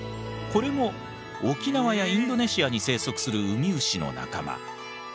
これも沖縄やインドネシアに生息するウミウシの仲間。